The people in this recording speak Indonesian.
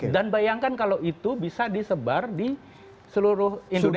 dan bayangkan kalau itu bisa disebar di seluruh indonesia